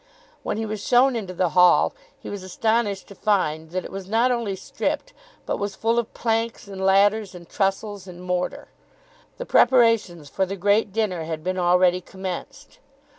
When he was shown into the hall he was astonished to find that it was not only stripped, but was full of planks, and ladders, and trussels, and mortar. The preparations for the great dinner had been already commenced.